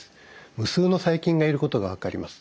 無数の細菌がいることが分かります。